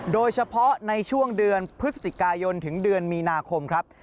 โดยเฉพาะในช่วงเดือนพฤศจิกายนถึงเดือนมีนาคมครับ